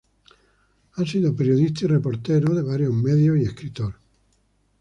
Ha sido periodista y reportero de varios medios y escritor.